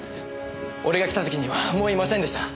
俺が来た時にはもういませんでした。